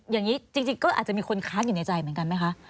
อย่างนี้จริงก็อาจจะมีคนค้านอยู่ในใจเหมือนกันไหมคะ